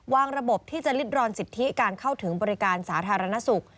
ระบบที่จะลิดรอนสิทธิการเข้าถึงบริการสาธารณสุข